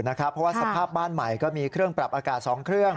เพราะว่าสภาพบ้านใหม่ก็มีเครื่องปรับอากาศ๒เครื่อง